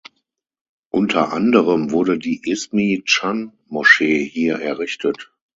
Unter anderem wurde die Ismi-Chan-Moschee hier errichtet.